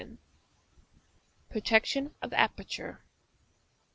PROTECTION OF APERTURE.